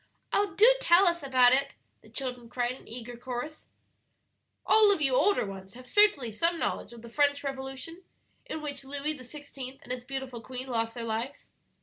"Oh, do tell us about it," the children cried in eager chorus. "All of you older ones have certainly some knowledge of the French Revolution, in which Louis XVI. and his beautiful queen lost their lives?"